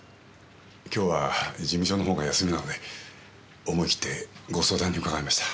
今日は事務所のほうが休みなので思い切ってご相談に伺いました。